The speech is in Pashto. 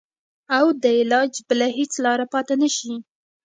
او د علاج بله هېڅ لاره پاته نه شي.